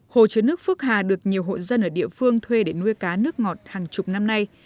hồ chứa nước phước hà được nhiều hộ dân ở địa phương thuê để nuôi cá nước ngọt hàng chục năm nay